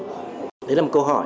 thế là một câu hỏi